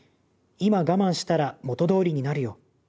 今我慢したら元通りになるよ。